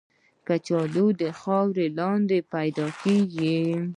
کچالو د خاورې لاندې پیدا کېږي